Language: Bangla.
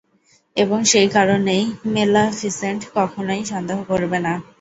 এবং সেই কারণেই মেলাফিসেন্ট কখনই সন্দেহ করবেনা।